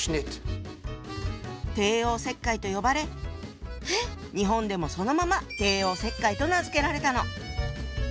「帝王切開」と呼ばれ日本でもそのまま「帝王切開」と名付けられたの。